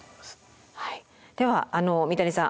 では三谷さん